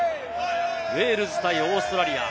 ウェールズ対オーストラリア。